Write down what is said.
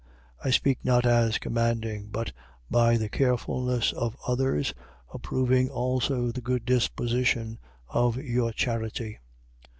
8:8. I speak not as commanding: but by the carefulness of others, approving also the good disposition of your charity.